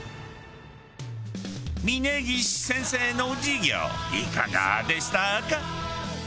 峯岸先生の授業いかがでしたか？